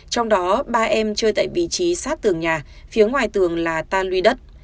trong đó ba em chơi tại vị trí sát tường nhà phía ngoài tường là tan luy đất